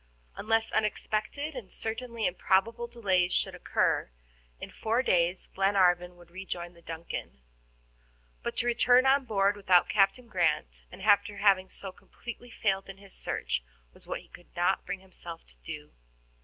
Unless unexpected and certainly improbable delays should occur, in four days Glenarvan would rejoin the DUNCAN. But to return on board without Captain Grant, and after having so completely failed in his search, was what he could not bring himself to do.